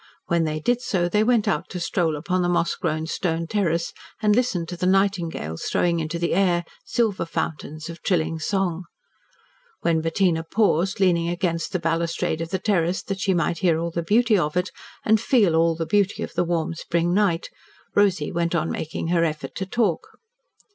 When they did so they went out to stroll upon the moss grown stone terrace and listened to the nightingales throwing into the air silver fountains of trilling song. When Bettina paused, leaning against the balustrade of the terrace that she might hear all the beauty of it, and feel all the beauty of the warm spring night, Rosy went on making her effort to talk.